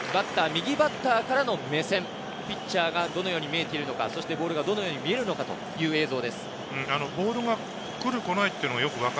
右バッターからの目線、ピッチャーがどのように見えているのか、ボールがどのように見えるのかという自由視点映像です。